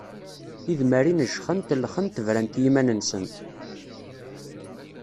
Tidmarin jxent lxent brant i yiman-nsent.